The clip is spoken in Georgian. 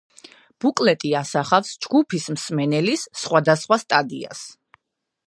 ბუკლეტი ასახავს „ჯგუფის მსმენელის სხვადასხვა სტადიას“.